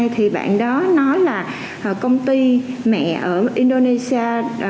thì bạn đó nói là công ty mẹ ở indonesia